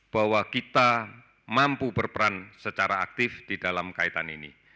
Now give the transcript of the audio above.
bahwa kita mampu berperan secara aktif di dalam kaitan ini